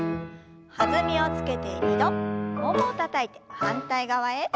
弾みをつけて２度ももをたたいて反対側へ。